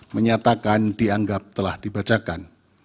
menyatakan dianggap telah dibacakan